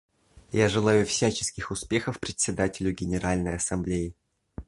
Я желаю всяческих успехов Председателю Генеральной Ассамблеи.